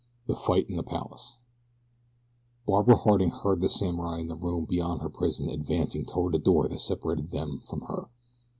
THE FIGHT IN THE PALACE BARBARA HARDING heard the samurai in the room beyond her prison advancing toward the door that separated them from her.